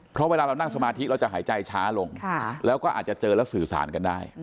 เพราะเวลาเรานั่งสมาธิเราจะหายใจช้าลงแล้วก็อาจจะเจอแล้วสื่อสารกันได้